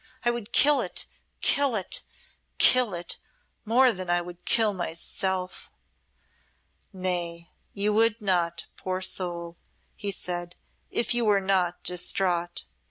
I would kill it kill it kill it more than I would kill myself!" "Nay, you would not, poor soul," he said, "if you were not distraught."